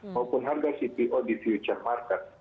maupun harga cpo di future market